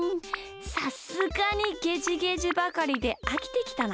さすがにゲジゲジばかりであきてきたな。